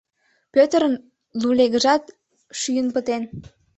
Пӧтырын лулегыжат шӱйын пытен.